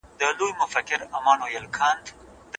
او همت پکار دی.